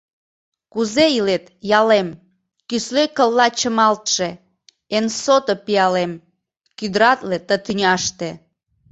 Кузе илет, ялем — Кӱсле кылла чымалтше Эн сото пиалем, Кӱдратле ты тӱняште!